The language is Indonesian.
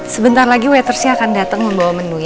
sebentar lagi waitressnya akan dateng membawa menu ya